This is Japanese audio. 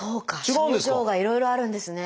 症状がいろいろあるんですね。